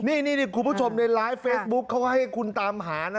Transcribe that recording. นี่คุณผู้ชมในไลฟ์เฟซบุ๊คเขาก็ให้คุณตามหานะ